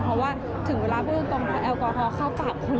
เพราะว่าถึงเวลาพูดตรงพอแอลกอฮอลเข้าปากคุณ